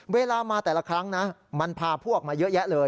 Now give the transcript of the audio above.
เวลามาแต่ละครั้งนะมันพาพวกออกมาเยอะแยะเลย